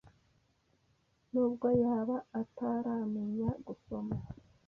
n’ubwo yaba ataramenya gusoma